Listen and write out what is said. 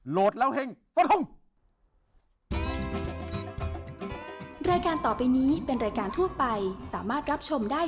โหลดแล้วเฮ่งสวัสดีครับ